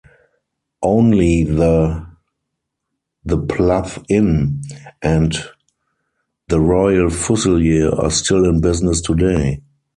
Only the "The Plough Inn" and "The Royal Fusilier" are still in business today.